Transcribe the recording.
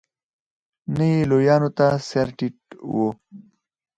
نه یې لویانو ته سر ټيټ و.